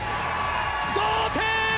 同点！